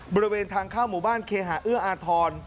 บริเวณทางเข้าหมู่บ้านเคหาเอื้ออาทร